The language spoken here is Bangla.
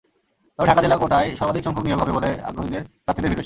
তবে ঢাকা জেলা কোটায় সর্বাধিকসংখ্যক নিয়োগ হবে বলে আগ্রহী প্রার্থীদের ভিড় বেশি।